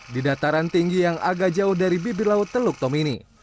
di dataran tinggi yang agak jauh dari bibir laut teluk tomini